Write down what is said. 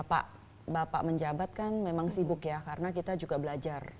pak bapak menjabat kan memang sibuk ya karena kita juga belajar